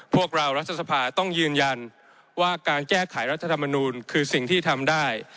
พวกเรารัฐสภาต้องยืนยันว่าการแก้ไขรัฐธรรมนูลคือสิ่งที่ทำได้